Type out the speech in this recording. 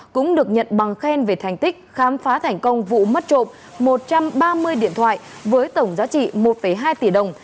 cũng được nhận bằng khen về thành tích khám phá thành công vụ mất trộm một trăm ba mươi điện thoại với tổng giá trị một hai tỷ đồng